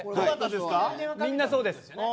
みんなそうです。